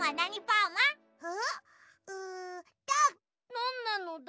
なんなのだ？